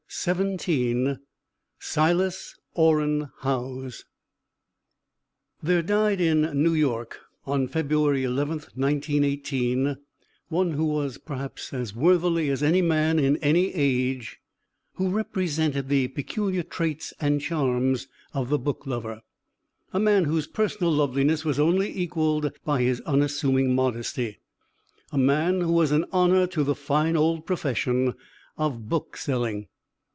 P. Dutton & Co. SILAS ORRIN HOWES There died in New York, on February 11, 1918, one who perhaps as worthily as any man in any age represented the peculiar traits and charms of the book lover, a man whose personal loveliness was only equalled by his unassuming modesty, a man who was an honour to the fine old profession of bookselling.